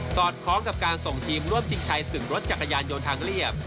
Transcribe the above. อดคล้องกับการส่งทีมร่วมชิงชัยศึกรถจักรยานยนต์ทางเรียบ